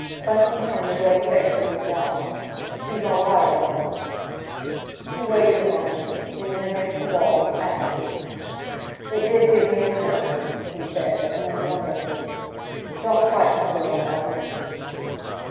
Bunting turned a grey face to his wife. "She's all right, Ellen." He waited a moment, leaning against the wall of the passage. "It did give me a turn," he said, and then, warningly, "Don't frighten the girl, Ellen."